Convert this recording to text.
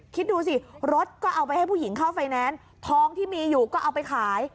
คิดดูสิรถก็เอาไปให้ผู้หญิงเข้าไฟแนนซ์ทองที่มีอยู่ก็เอาไปขาย